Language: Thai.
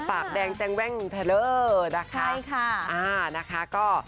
ปากแดงแจงแว่งเทลเลอร์นะคะใช่ค่ะอ่านะคะก็